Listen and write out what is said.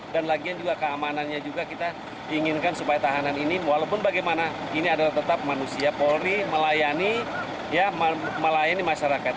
dan lagian juga keamanannya juga kita inginkan supaya tahanan ini walaupun bagaimana ini adalah tetap manusia polri melayani masyarakat